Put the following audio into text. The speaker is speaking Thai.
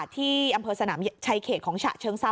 ที่อำเภอสนามชายเขตของฉะเชิงเซา